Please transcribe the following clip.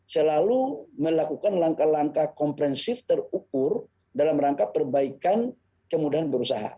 selalu melakukan langkah langkah komprensif terukur dalam rangka perbaikan kemudahan berusaha